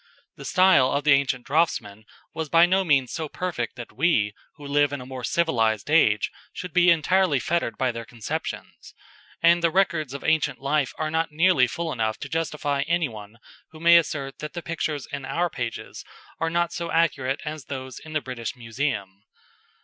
The style of the ancient draughtsmen was by no means so perfect that we, who live in a more civilised age, should be entirely fettered by their conceptions, and the records of ancient life are not nearly full enough to justify any one who may Assert that the pictures in our pages are not as accurate as those in the British Museum.